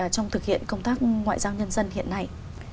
trong thực hiện công tác ngoại giao nhân dân hiện nay